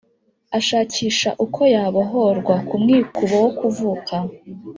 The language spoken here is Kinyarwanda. ashakisha uko yabohorwa ku mwikubo wo kuvuka